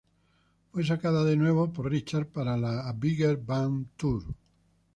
Fue sacada de nuevo por Richards para el "A Bigger Bang Tour".